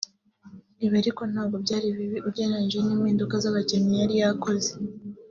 Ibi ariko ntabwo byari bibi ugereranyije n’impinduka z’abakinnyi yari yakoze